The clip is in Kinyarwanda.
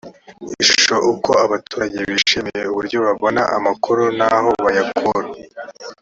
ishusho uko abaturage bishimiye uburyo babona amakuru n aho bayakura